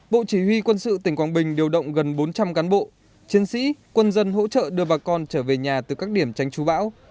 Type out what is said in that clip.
bộ chỉ huy quân sự tỉnh quảng bình đã đưa ra một bộ truyền thông báo